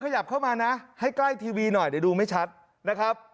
ขยับเข้ามานะให้ใกล้ทีวีหน่อยเดี๋ยวดูไม่ชัดนะครับ